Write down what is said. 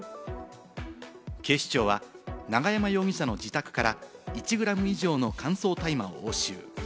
警視庁は永山容疑者の自宅から１グラム以上の乾燥大麻を押収。